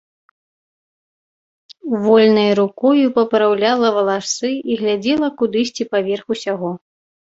Вольнай рукою папраўляла валасы і глядзела кудысьці паверх усяго.